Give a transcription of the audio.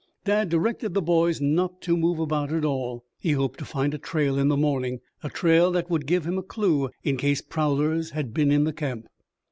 Dad directed the boys not to move about at all. He hoped to find a trail in the morning, a trail that would give him a clue in case prowlers had been in the camp.